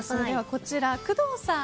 こちら、工藤さん